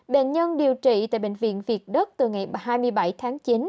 bệnh nhân điều trị tại bệnh viện việt đức từ ngày hai mươi bảy tháng chín